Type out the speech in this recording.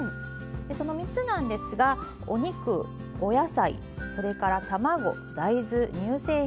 その３つなんですがお肉お野菜それから卵・大豆・乳製品。